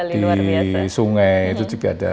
di sungai itu juga ada